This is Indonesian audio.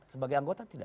sebagai anggota tidak